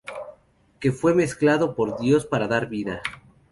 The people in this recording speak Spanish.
Que fue mezclado por Dios para dar vida.